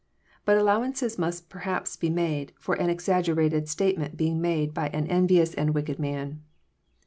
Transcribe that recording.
But allowances must perhaps be made for an exaggerated statement being made by an envious and wicked man.